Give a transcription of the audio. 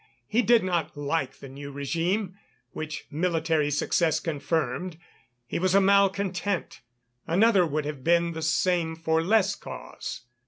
He did not like the new régime, which military success confirmed. He was a malcontent. Another would have been the same for less cause.